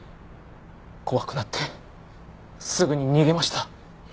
怖くなってすぐに逃げました。